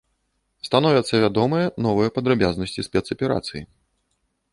Становяцца вядомыя новыя падрабязнасці спецаперацыі.